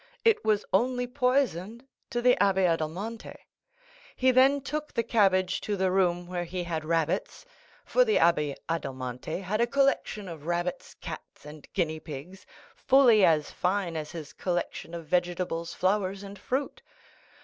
It was only poisoned to the Abbé Adelmonte. He then took the cabbage to the room where he had rabbits—for the Abbé Adelmonte had a collection of rabbits, cats, and guinea pigs, fully as fine as his collection of vegetables, flowers, and fruit.